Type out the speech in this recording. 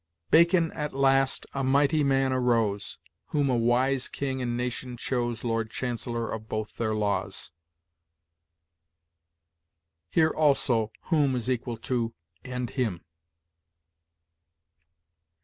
"'Bacon at last, a mighty man, arose, Whom a wise king and nation chose Lord Chancellor of both their laws.' Here, also, 'whom' is equal to 'and him.'